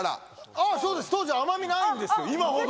あっそうです当時は甘みないんです今ほど。